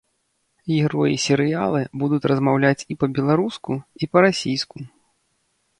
Героі серыяла будуць размаўляць і па-беларуску, і па-расійску.